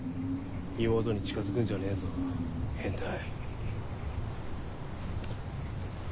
妹に近づくんじゃねえぞ変態。